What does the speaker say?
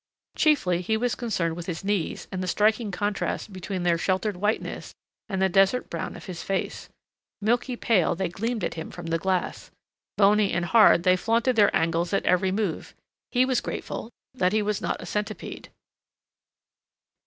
Chiefly he was concerned with his knees and the striking contrast between their sheltered whiteness and the desert brown of his face.... Milky pale they gleamed at him from the glass.... Bony hard, they flaunted their angles at every move.... He was grateful that he was not a centipede.